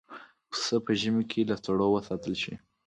پسه په ژمي کې له سړو وساتل شي.